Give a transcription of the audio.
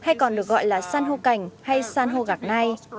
nó được gọi là săn hô cảnh hay săn hô gạc ngay